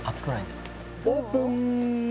オープン！